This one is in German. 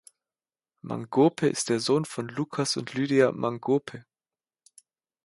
Mangope ist der Sohn von Lucas und Lydia Mangope.